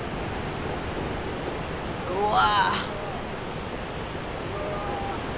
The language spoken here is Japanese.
うわ。